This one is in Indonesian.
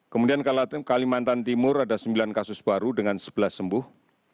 kemudian kalimantan timur ada sembilan kasus baru dengan sebelas sembuh